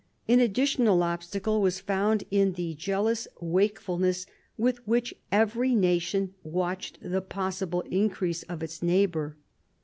An additional obstacle was found in the jealous wakefulness with which every nation watched the possible increase of its neighbour.